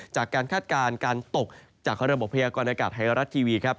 จากการคาดการณ์การตกจากระบบพยากรณากาศไทยอารัตทีวี